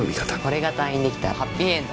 俺が退院できたらハッピーエンド。